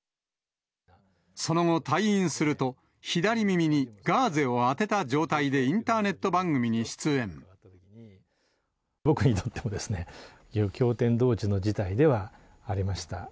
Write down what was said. その後、退院すると、左耳にガーゼを当てた状態でインターネット番組に出僕にとってもですね、驚天動地の事態ではありました。